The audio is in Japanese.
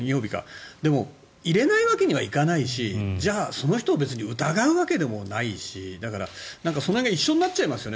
でも入れないわけにはいかないしその人を別に疑うわけでもないしだから、その辺が一緒になっちゃいますよね。